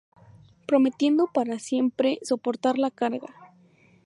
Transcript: Prometiendo para siempre soportar la carga.